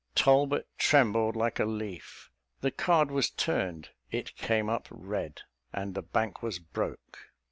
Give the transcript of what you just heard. Talbot trembled like a leaf. The card was turned; it came up red, and the bank was broke.